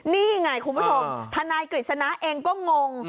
นี่ไงคุณผู้ชมทนายกฤษณะเองก็งง